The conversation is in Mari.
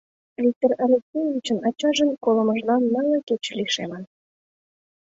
Виктор Алексеевичын ачажын колымыжлан нылле кече лишемын.